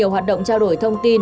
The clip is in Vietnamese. không lách nổi